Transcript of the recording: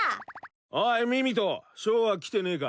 おいミミトショーは来てねえか？